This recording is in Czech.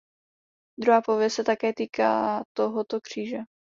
Druhá pověst se také týká tohoto kříže.